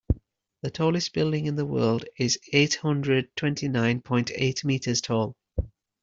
The tallest building in the world is eight hundred twenty nine point eight meters tall.